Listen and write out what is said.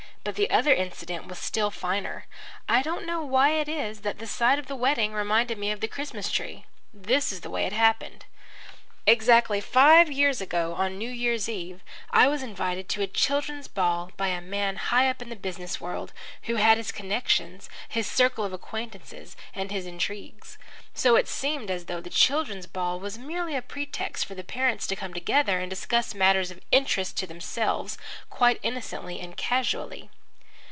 But the other incident was still finer. I don't know why it is that the sight of the wedding reminded me of the Christmas tree. This is the way it happened: Exactly five years ago, on New Year's Eve, I was invited to a children's ball by a man high up in the business world, who had his connections, his circle of acquaintances, and his intrigues. So it seemed as though the children's ball was merely a pretext for the parents to come together and discuss matters of interest to themselves, quite innocently and casually.